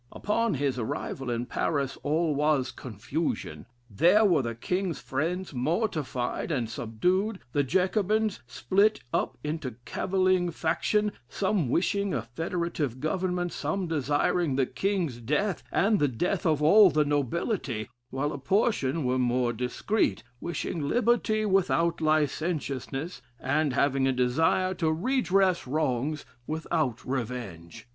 Upon his arrival in Paris all was confusion. There were the King's friends mortified and subdued, the Jacobins split up into cavilling faction, some wishing a federative government, some desiring the King's death, and the death of all the nobility; while a portion were more discreet, wishing liberty without licentiousness, and having a desire to redress wrongs without revenge.